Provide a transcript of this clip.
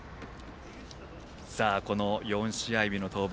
この４試合日の登板。